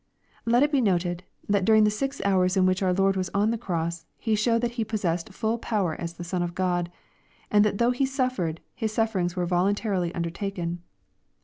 Let it be noted, that during the six hours in which our Lord was on the cross, He showed that He possessed full power as the Son of Grod, and that though He suffered. His sufferings were voluntarily undertaken.